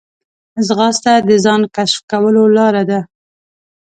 ځغاسته د ځان کشف کولو لاره ده